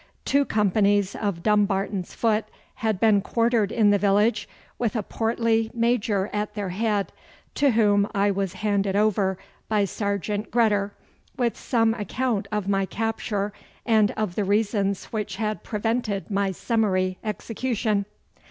Two companies of Dumbarton's Foot had been quartered in the village, with a portly Major at their head, to whom I was handed over by Sergeant Gredder, with some account of my capture, and of the reasons which had prevented my summary execution.